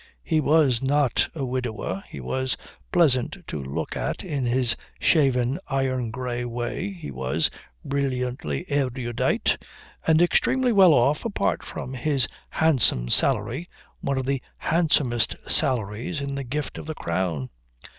He was not a widower, he was pleasant to look at in a shaven iron grey way, he was brilliantly erudite, and extremely well off apart from his handsome salary, one of the handsomest salaries in the gift of the Crown.